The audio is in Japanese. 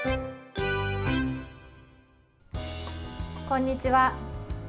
こんにちは。